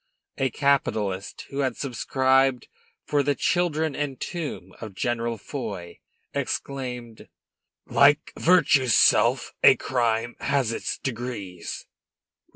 A capitalist who had subscribed for the children and tomb of General Foy exclaimed: "Like Virtue's self, a crime has its degrees."